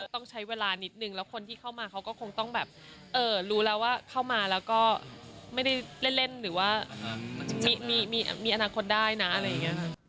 ต้องใช้เวลานิดนึงแล้วคนที่เข้ามาเขาก็คงต้องแบบรู้แล้วว่าเข้ามาแล้วก็ไม่ได้เล่นหรือว่ามีอนาคตได้นะอะไรอย่างนี้ค่ะ